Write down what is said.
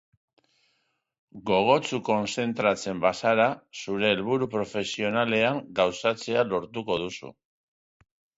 Gogotsu kontzentratzen bazara zure helburu profesionalean, gauzatzea lortuko duzu.